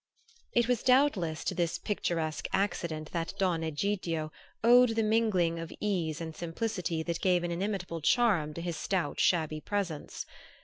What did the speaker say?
It was doubtless to this picturesque accident that Don Egidio owed the mingling of ease and simplicity that gave an inimitable charm to his stout shabby presence.